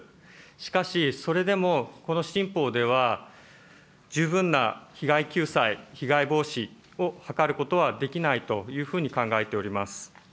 しかし、それでもこの新法では、十分な被害救済、被害防止を図ることはできないというふうに考えております。